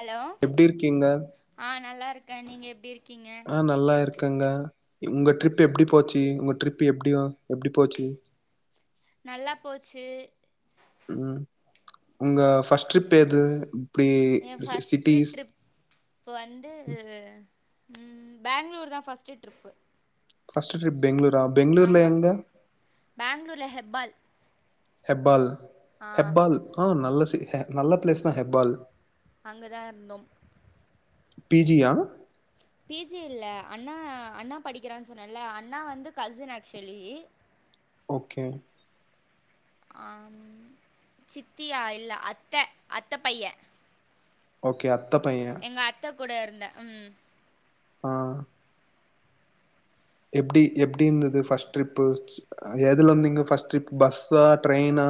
Hello எப்டி இருக்கீங்க ஆ நல்லா இருக்கே நீங்க எப்டி இரு ஆ நல்லா இருக் க்குங்க உங்க ட்ரிப் எப்படி போச்சு உங்க ட்ரிப் எப்டி எப்படி போச்சு நல்லா போச்சு ம் உங்க ஃபர்ஸ்ட் துது இப்டி எ ஃபஸ்ட்டு சிட்டிஸ் ட்ரிப் வந்து ம் பெங்களூர் தா first trip first trip Bangalore ஆமா பேங்ளூர்ல ஹெப்பால் ஹெப்பால் ஆ ஹெப்பால் ஆ நல்ல ஹ நல்ல பிளேஸ் தா ஹெப்பால் அங்கதா இருந்தோ பிஜியா பிஜி இல்ல அண்ணா அண்ணா படிக்கிறா சொன்னேன்ல அண்ணா வந்து கசின் ஆக்சுவலி ஓகே ஆ சித்தியா இல்ல அத்தை அத்த பைய ஓகே அ அத்தபைய எங்க அத்த கூட இருந்த ம் ஆ எப்டி எப்டி இருந்தது ஃபஸ்ட் ட்ரிப் எதுல வந்தீங்க ஃபஸ்ட் ட்ரிப் பஸ்ஸா ட்ரெயினா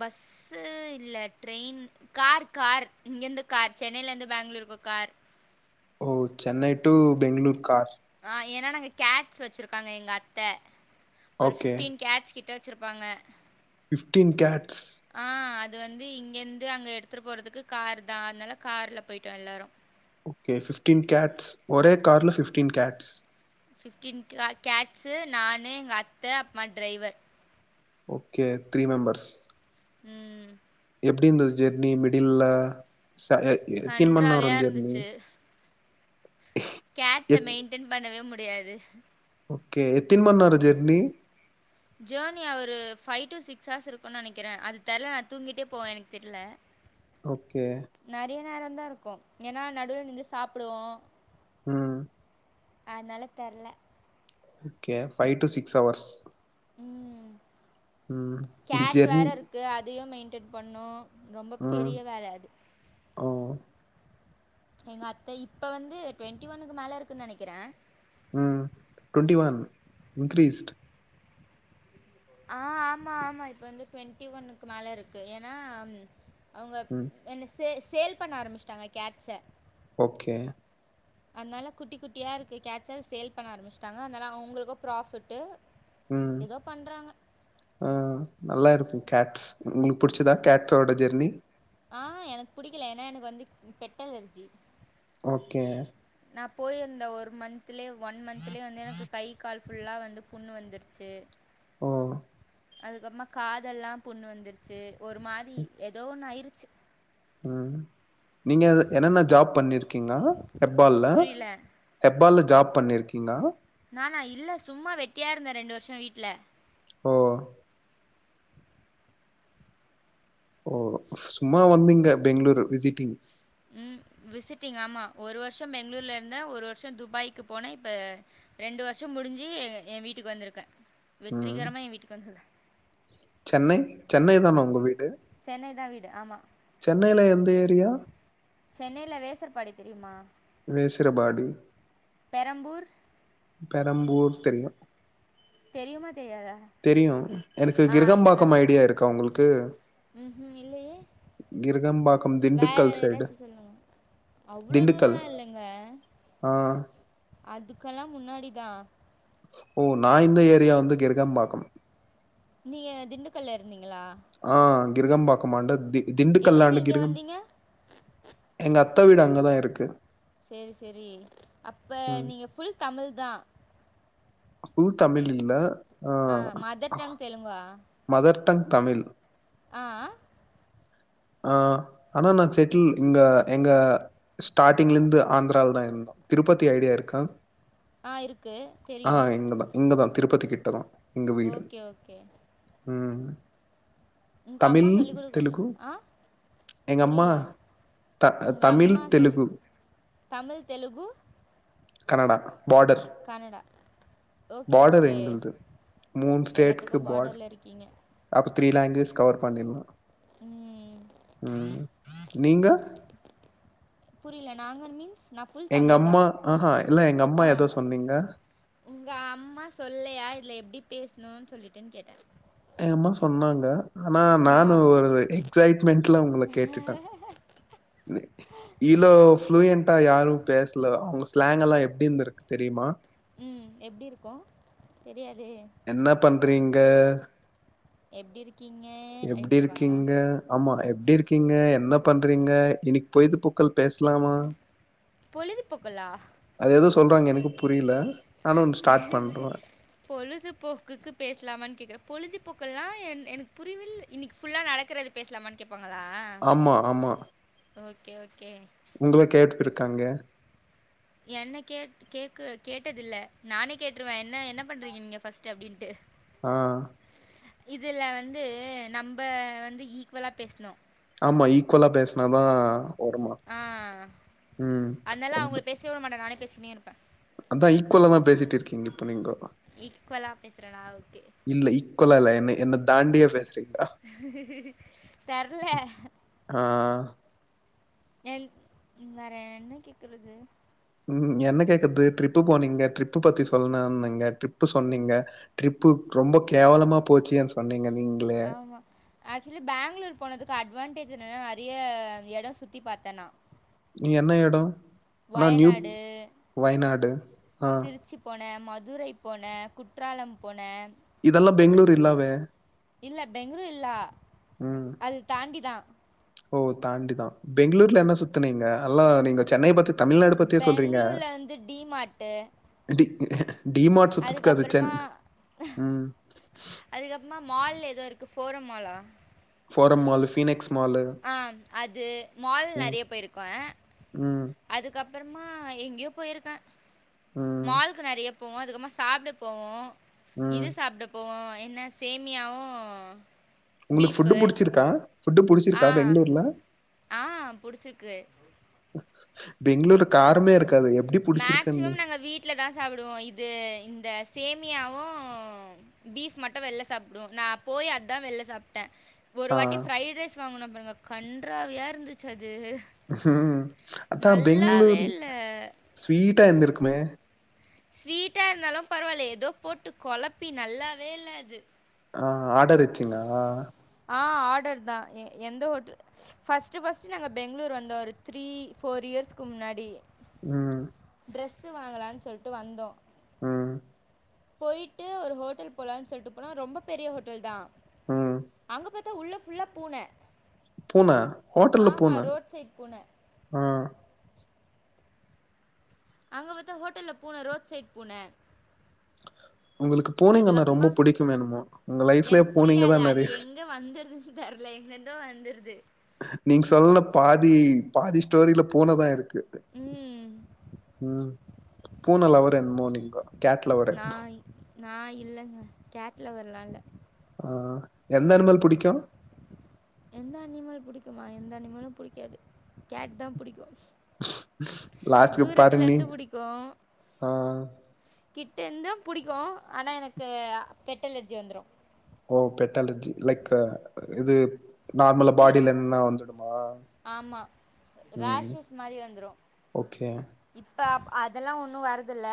பஸ்சு இல்ல ட்ரெயின் கார் கார் இங்க இருந்து கார் சென்னையில இருந்து பேங்களூருக்கு கார் ஓ சென்னை டு பெங்ளூர் கார் ஆ ஏன்னா கேட்ஸ் வச்சிருக்காங்க எங்க அத்த ஒரு ஃபிப்டீன் கேட்ஸ் கிட் விட்டு வச்சிருப்பாங்க ஃபிப்டீன் கேட்ஸ் அத வந்து இங்கந்து இங்கந்து அங்க எடுத்துட்டு போறதுக்கு கார் தா அதனால கார்ல போயிட்டோம் எல்லாரும் ஓகே ஃபிப்டீன் கேட்ஸ் ஒரே கார்ல ஃபிப்டீன் கேட்ஸ் ஃபிப்டீன் கே கேட்ஸ்சு நானு எங்க அத்தை அப்மா டிரைவர் ஓகே த்ரீ மெம்பர்ஸ் ம் எப்டி இருந்தது ஜெர்னி மிடில்ல கன்றாவியாக [unintelligible] கேட்ஸ்ச எத் மெயின்டென் பண்ணவே மு டியாது ஓகே எத்தின மணி நேர ஜானி ஜானி யா ஒரு ஃபைவ் டு சிக்ஸ் ஹர்ஸ் இருக்கும்னு நெனைக்கிறேன் அது தெர்ல நா தூங்கிட்டே போவேன் எனக்கு தெர்ல ஓகே நேரம்தா இருக்கும் ஏன்னா நடுவில் நிந்து சாப்புடுவோம் ம் அதனால தெர்ல okay five to six hours ம் கேட் வேற ஜெர்னி இருக்கு அதையும் மெயின் டெட் பண்ணோம் ரொம்ப ம் பெரிய வேல அது ஓ எங்க அத்தை இப்ப வந்து டோண்டி ஒன்னனுக்கு மேல இருக்குன்னு நெனைக்கிறேன் ம் டோண்டிஒன் இன்கிரீஸ்டு ஆ ஆமா ஆமா இப்ப வந்து டோண்டி ஒன்னுக்கு மேல இருக்கு ஏன்னா ம் அவங்க ம் என்ஸ் செ சேல் பண்ண ஆரம்பிச்சிட்டாங்க கேட்ஸ்ச ஓகே அதனால குட்டி குட்டியா இருக்குற கேட்ஸ்ச சேல் பண்ண ஆரம்பிச்சுட்டாங்க அதனால அவங்களுக்கும் பிராப்பிட்டு் ம் ஆ நல்லா இரு கேட்ஸ் உங்களுக்கு புடிச்சதா கேட்ஸோட ஜெர்னி ஆ எனக்கு புடிக்கல ஏன்னா எனக்கு வந்து பெட் அலர்ஜி ஓகே நா போயிருந்த ஒரு மந்த் மந்த்லே ஒன் மந்த்லே வந்து எனக்கு கை கால் ஃபுல்லா வந்து புண்ணு வந்துருச்சு ஓ அதுகப்றோ காது எல்லா புண்ணு வந்துருச்சு ஒரு மாரி ஏதோ ஒன் ஆயிருக் ட்ச் உம் நீங்க என்னன்ன ஜாப் பண்ணிருக் ங்கள ஹெர்பால புரியல ஹெபா பால்ல ஜாப் பண்ணிருக்கீங்ளா ஆ நா இல்ல சும்மா வெட்டியா இருந்தே ரெண்டு வருஷோ வீட்ல ஓ ஓ சும்மா வந்தீங்க பெங்களூரு விசிடிங் உம் விசிடிங் ஆமா ஒரு வருஷோ பெங்ளூர்ல இருந்தே ஒரு வருஷோ துபாய்கு போனே இப்ப ரெண்டு வருஷோ முடிஞ்சு எ வீட்டுக்கு வந்துருக்கே ம் வெற்றிகரமா என் வீட்டுக்கு வந்து சென்னை சென்னை தானா உங்க வீடு சென்னை தா வீடு ஆமா சென்னைல எந்த ஏரியா சென்னையில வேசர் பாடி தெரியுமா வேசரபாடி பெரம்பூர் பெரம்பூர் தெரில்ல தெரியுமா தெரியாதா தெரியு எனகு கிரகம்பாக்கம் ஐடியா இருக்கு அவுங்களுகு க்கு உம் ம் இல்லயே கிரகம்பாக்கம் வேற திண்டுக்கல் சைடு ஏதாச்சு சொல்லுங்க அவ்ளோ திண்டுக்கல் தூரல்லா இல்லங்க ஆ அது க்கலா முன்னாடிதா ஓ நா இந்த ஏரியா வந்து கிரிகபாக்கம் நீங்க திண்டுக்கல்ல இருந்தீங்ளா ஆ கிரகம் பாக்கம் அன்டர் தி எதுக்கு திண்டுகலாண்ட இங்க கிரகம் வந்தீங்க எங்க அத்த வீடு அங்கதா இருக்கு கு செரி-செரி அப்ப ம் நீங்க ஃபுல் தமிழ் தா ஃபுல் தமிழ் இல்ல ஆ மதர் டாங் தெலுங்குவா மதர் டங் தமிழ் ஆ ஆ ஆ ஆனா நா செட்டில் இங்க எங்க ஸ்டாட்டிங்ல இருந்து ஆந்ராலதா இருந்தே திருப்பதி ஐடியா இருக்கா ஆ இருக்கு ஆ தெரியு இங்கதா இங்கதா திருப்பதி கிட்ட தா ஓகே-ஓகே உம் தமிழ் சொல்லிக் கொடுக்கல தெலுகு ஆ எங்க அம்மா புரியல த உங்க தமிழ் அம்மா சொல்லி Telugu Tamil Telugu Kannada border Kannada okay border okay எங்கள்து மூணு ஸ்டேட்க்கு எல்லாத்துக்கு பார்டர் பார்டர்ல இருக்கீங்க அப்ப த்ரீ லாங்குவேஜ் கவர் பண்ணிடலா ம் ம் நீங்க புரியல நாங்கள் மீன்ஸ் நான் ஃபுல் எங்க தமிழ் தா அம்மா ஆஹா இல்ல எங்க அம்மா ஆ ஏதோ சொன்னீங்க உங்க அம்மா சொல்லையா இல்ல எப்டி பேசு நோனு சொல்லிட்டேன்னு கேட்ட ஏம்மா சொன்னாங்க ஆனா ம் நானு நார்மல் ஒரு எக்ஸைட்மெண்டட்ல உங்கள கேட்டுட்டே இவ்ளோ ஃப்ளுயண்ட் அ யாரு பேசல அவங்க ஸ்லாங்க் எல்லா எப்டி இருந்து இருக்கு தெரியுமா ம் எப்டி இருக்கு தெரியாது என்ன பண் றீங்க எப்டி இருக் எப்டி இருக்கீங்க ஆமா எப்டி இருக்கீங்க என்னப் பண்றீங்க இனிக்கு பொய்து பூக்கள் பேசலாமா பொழுதுபோக்குலா சொல்கிறாங்க எனக்கு புரியல நானு ஸ்டார்ட் பண்றே பொழுதுபோக்குக்கு பேசலாமானு கேக்குறே பொழுதுபோக்கு ல்லா என் எனக்கு புரிவிலே இன்னைக்கு ஃபுல்லா நடக்கறது பேசலாமானு கேப் ஆமா ஆமா ஓகே ஓகே உங்கள கேட்டு இருக்காங்க என்ன கே கே கேட்டதில்ல நானே கேட்டுருவே என்ன என்ன பண்றீங்க நீங்க ஃபர்ஸ்ட் அப்டின்ட்டு ஆ இதுல வந்து நம்ம வந்து ஈக்குவலா பேசுணு ஆமா ஈக்குவலா பேசுனாதா வருமா ஆ ம் அதலா அவங்க பேசவே விட மாட்டே நானே பேசு நிர் அதா ஈக்குவல தா பேசிட்டு இருக்கீங்க இப்ப நீங்கோ ஈக்குவலா பேசுறேனா ஓகே. இல்லை இக்குவல இல்ல என்ன என்ன தாண்டியே பேசுறீங்க தெர்ல ஆ, என் வேற என்ன கேக்குறது ம் என்ன கேக்குது ட்ரிப்பு போனீங்க ட்ரிப்பு பத்தி சொல்லணனுங்க ட்ரிப்பு சொன்னீங்க ட்ரிப்பு ரொம்ப கேவலமா போச்சு சொன்னீங்க நீங்களே ஆமா ஆக்சுவலி பெங்களூர் போனதுக்கு அட்வான்டேஜ் இதுனு நெறைய இடம் சுத்தி பாத்தேன் நா நீ என்ன இடம் ஆனா நியூ வயநாடு வயநாடு ஆ திருச்சி போனேன் மதுரை போனேன் குற்றாலம் போனேன் இதெல்லாம் பெங்களளூர் இல்லாவே இல்ல பெங்களூர் இல்லா ம் அது தாண்டிதா ஓ தாண்டிதா பெங்களூர்ல என்ன சுத்து நீங்க எல்லா நீங்க சென்னை பத்தி தமிழ்நாடு பத்தியே சொல்றீங்க பெங்களூர்ல வந்து டிமார்ட்டு ஏ டிமார்ட் சுத்துதுக்கது சென் ம் மால்ல ஏதோ இருக்கு போரு மாலா போரோ மாலு பீனிக்ஸ் ஆ அது மால் ம் நெறைய போயிருக்கன் ம் அதுக்கப் பறமா எங்கயோ போயிருக்கேன் ம் மாலுக்கு நெறைய போவோம் அதுக்கப்பறமா சாப்பிட போவோம் இது ம் சாப்பிட போவோம் என்ன சேமியாவும் உங்களுக்கு ஃபுட்டு பீஃபு புடிச்சிருக்கா ஃபுட்டு புடிச்சிருக்க ஆ ஆ புடிச்சிருக்கு பெங்களூரு காருமே இருக் மேக்சிமம் நாங்க வீட்ல தா சாப்பிடுவோம் இது இந்த சேம் ம்மியாவும் பீஃப் மட்டும் வெளில சாப்பிடுவோம் நா போய் அதுதா வெளில சாப்பிட்டேன் ஒரு ஆ வாட்டி பிரைட் ரைஸ் வாங்குனோம் பாருங்க கன்றாவியா இருந்துச்சு அது அது ம் அதா நல்லாவே பெங்களூர் இல்ல ஸ்வீட்டா இருந்துக்குமே ஸ்வீட்டா இருந்தாலு பரவாயில்ல ஏதோ போட்டு கொழப்பி நல்லாவே இல்ல அது ஆ ஆடர் வச்சிங்க ஆ ஆடர் தா எந்த ஹோட்டல் ஃபஸ்ட்டு ஃபஸ்ட்டு நாங்க பெங்களூர் வந்தோ ஒரு த்ரீ ஃபோர் இயர்ஸ்க்கு முன்னாடி உம் ட்ரெஸ்ஸு வாங்கலான் சொல்ட்டு வந்தோ உம் போயிட்டு ஒரு ஹோட்டல் போலானு சொல்லிட்டு போனா ரொம்ப பெரிய ஹோட்டல் தா ம் அங்க பத்தி உள்ள ஃபுல்லா பூன பூன ஹோட்டல்ல ஆமா பூன ரோட் சைட் பூன ஆ அங்க பாத்தா ஹோட்டல்ல பூன ரோட் சைட் பூன உங்களுக்கு பூனைங்கனா ரொம்ப அதுக்கப்புறமா புடிக்குமேனுதா உங்க லைஃப்லயே எனக்கு பூனைங்கதா புடிக்காது அது நெறய எங்க வந்துருதுன்னு தெர்ல எங்கிருந்தோ வந்துருது நீங்க சொல்லல பாதி பாதி ஸ்டோரியில பூனதா இருக்கு ம் உம் பூன லவ்வறா என்னமோ நீங்க கேட் லவ்வரு நா இல்லங்க கேட் லவ்வர்லா இல்ல ஆ எந்த அணிமல் புடிக்கு எந்த அனிமல் புடிக்குமா எந்த அனிமலு புடிக்காது கேட் தா புடிக்கு லாஸ்டுக்கு பாரு தூரத்துல நீ இருந்து புடிக்கு ஆ டெந்தா புடிக்கு ஆனா எனக்கு பெட்டு அலர்ஜி வந்துரு ஓ பெட்டலர்ஜி லைக்கு இது நார்மல ஏ பாடியில இருந்து வந்துடுமா ஆமா உம் ரேஷஸ் மாரி வந்துரு ஓகே இப்ப அதெல்லா ஒன்னு வரதில்ல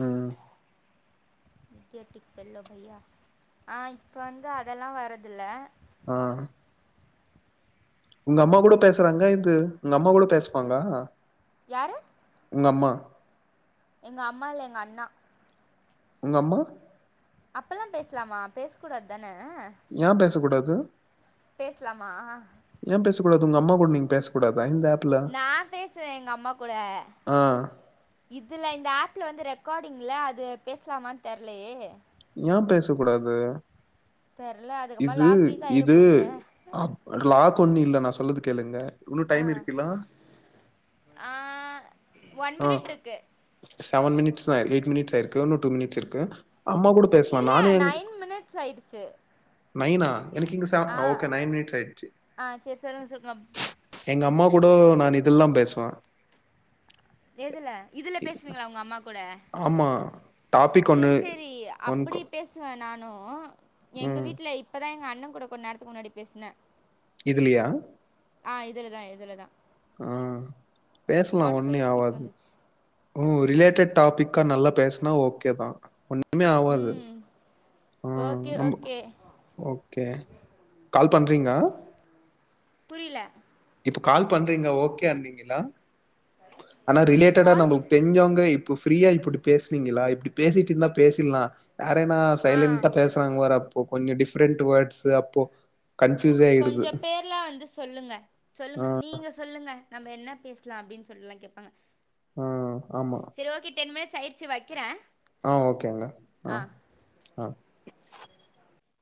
உம் ட்டிக்கு செல்லோ பையா ஆ இப்ப வந்து அதெல்லா வரதுல்ல ஆ உங்க அம்மா கூட பேசுறாங்க இது உங்க அம்மா கூட பேசுவாங்க யாரு உங்கம்மா எங்க அம்மா இல்ல எங்க அண்ணா உங்க அம்மா அப்போல்லா பேசலாமா பேச கூடாதுல ஏ பேச கூடாது அ பேசலாமா உங்ளது உங்க அம்மா கூட நீங்க பேச கூடாது நா பேசுவே எங்க அம்மா கூட ஆ இதுல இந்த ஆப்ல வந்து ரெக் ரெக்கார்டிங்ல அது பேசலாமான்னு தெர்லையே ஏ பேச கூடாது தெர்ல அதுக்கப்புறமா இது லாக் கீக் ஆயிர இது போதுங்க அ லாக்கு ஒண்ணு இல்ல நான் சொல்லதுக்கு கேளுங்க இன்னு ஆ டைம் இருக்குலா ஆ ஒன் மினிட் இருக்கு செவன் மினிட் தா எயிட் மினிட்ஸ் ஆ இருக்கு இன்னு டூ மினிட்ஸ் இருக்கு அம்மா கூட பேசலா இல்ல நானு நைன் மினிட்ஸ் ஆயிடுச்சு நய்னா எனக்குங்ககே சாப் ஆ ஓகே நைன் மினிட்ஸ் ஆயிச்சு ஆ சேரி சொல்லுங்க சொல்லுங்க எங்க அம்மா கூடு நா இதெல்லா பேசுவா எதுல இதுல பேசுவீங்களா உங்க அம்மா கூட ஆமா டாபிக் ஒன்னு சேரி சேரி ஒன் கா அப்டி பேசுவே நானு எங்க வீட்டுல இப்பதா எங்க அண் அண்ண கூட கொஞ்ச நேரத்துக்கு முன்னாடி பேசின இதுலியா ஆ இதுலதா இதுலதா ஆ பேசலா ஃபார்ட்டி ஃபைவ் ஒன்னே ருபீஸ் ஆவாது வந்துச்சு ஓ ரிலேட்டட் டாபிக்கா நல்லா பேசினா ஓகே தா ஒன்டா ஒனுமே ஆவாது ம் ஆ ஓகே நம ஓகே ஓகே கால் பண்றீங்க புரியல இப்ப கால் பண்றீங்க ஓகே அனிங்களா ஆனா ரிலேட்டடா கால் நம்மளுக்கு தெரிஞ்சுவங்கவே இப்ப ஃப்ரீயா இப்டி பேசுனீங்களா இப்டி பேசிட்டு இருந்தா பேசிர்லா யாரேனா ஆ சைலண்ட்டா பேசுறாங்க வரப் ஓப்பன் ய டிஃப்ரெண்ட் வேர்ட்ஸ்ஸு அப்போ கன்ஃபியூஸே ஆயிடுது கொஞ்ச பேர்லா வந்து சொல்லுங்க ஆ சொல்லுங்க நீங்க சொல்லுங்க நம்ம என்ன பேசலா அப்டின்னு சொல்லில்லா கேப்பாங்க ஆ ஆமா சயிச்சு வக்கிறே ஆ ஓகேங்க ஆ ஆ